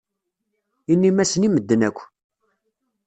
Inim-asen i medden akk.